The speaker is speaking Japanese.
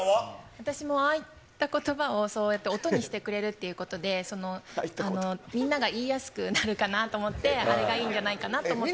私も、ああいったことばを、そうやって音にしてくれるっていうことで、みんなが言いやすくなるかなと思って、あれがいいんじゃないかなと思って。